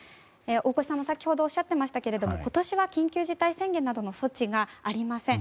大越さんも先ほどおっしゃってましたけど今年は緊急事態宣言などの措置がありません。